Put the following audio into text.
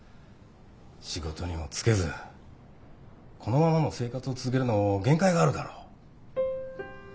仕事にも就けずこのままの生活を続けるのも限界があるだろう。